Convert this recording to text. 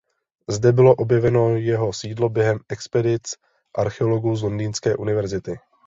Zde bylo objeveno jeho sídlo během expedic archeologů z londýnské univerzity.